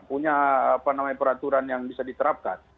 punya peraturan yang bisa diterapkan